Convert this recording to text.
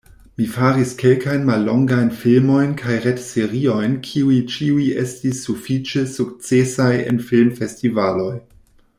Mi faris kelkajn mallongajn filmojn kaj retseriojn, kiuj ĉiuj estis sufiĉe sukcesaj en filmfestivaloj.